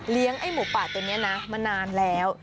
เลี้ยงไอ้หมูป่าตัวเนี่ยนะมานานแล้ว